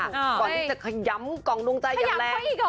ก่อนที่จะขยัมกล่องนุ่มใจรอบแรก